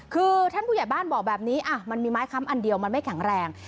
คือท่านผู้ใหญ่บ้านบอกแบบนี้มันมีไม้ค้ำอันเดียวมันไม่แข็งแรง